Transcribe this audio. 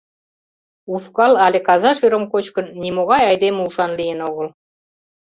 Ушкал але каза шӧрым кочкын, нимогай айдеме ушан лийын огыл.